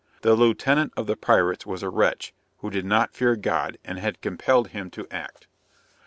The Lieutenant of the pirates was a wretch, who did not fear God, and had compelled him to act.